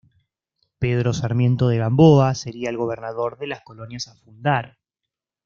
Pedro Sarmiento de Gamboa sería el gobernador de las colonias a fundar.